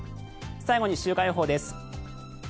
最後に週間予報です。